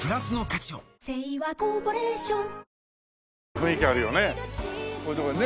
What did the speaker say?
雰囲気あるよね